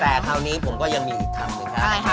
แต่คราวนี้ผมก็ยังมีอีกคำหนึ่งนะ